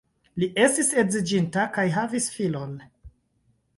Li estis edziĝinta kaj havis filon.